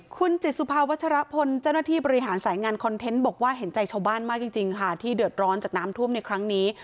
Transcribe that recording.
คุณจิตสุภาวัชรพลเจ้าหน้าที่บริหารสายงานคอนเทนต์บอกว่าเห็นใจชาวบ้านมากจริงค่ะที่เดือดร้อนจากน้ำท่วมในครั้งนี้